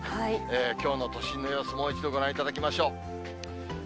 きょうの都心の様子、もう一度ご覧いただきましょう。